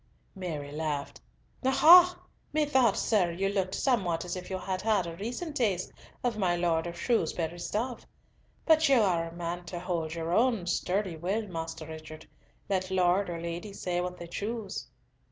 Mary laughed "Ah ha! methought, sir, you looked somewhat as if you had had a recent taste of my Lord of Shrewsbury's dove. But you are a man to hold your own sturdy will, Master Richard, let Lord or Lady say what they choose."